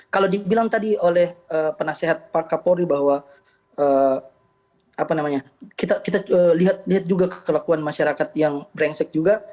kalau dibilang tadi oleh penasehat pak kapolri bahwa kita lihat juga kelakuan masyarakat yang brengsek juga